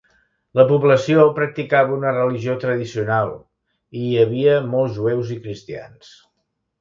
La població practicava una religió tradicional, i hi havia molts jueus i cristians.